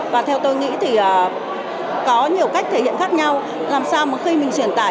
và theo tôi nghĩ thì có nhiều cách thể hiện khác nhau làm sao mà khi mình truyền tải